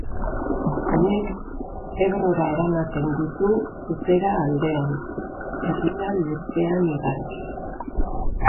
Honek Ebrora eramaten ditu Tutera aldean, herria lurpean igaroz.